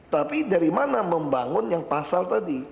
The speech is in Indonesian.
tapi dari mana membangun yang pasal tadi